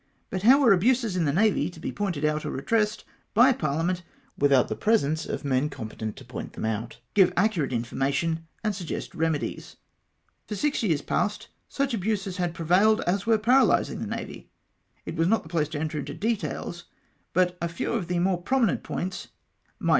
But how were abuses in the Navy to be pointed out or redressed by par liament, without the presence of men competent to point them out, give accurate information, and suggest remedies ? "For six years past, such abuses had prevailed as were paralysing the Navy. It was not the place to enter into details, but a few of the more i:)rominent points might be •218 REPLY TO iiR.